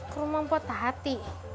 ke rumah potati